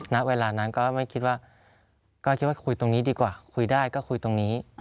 ณเวลานั้นก็ไม่คิดว่าก็คิดว่าคุยตรงนี้ดีกว่าคุยได้ก็คุยตรงนี้